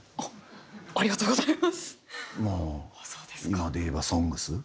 今で言えば「ＳＯＮＧＳ」。